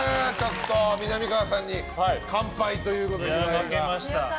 みなみかわさんに完敗ということで、岩井が。